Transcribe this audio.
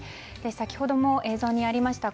先ほども映像にありました